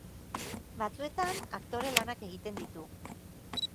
Batzuetan aktore lanak egiten ditu.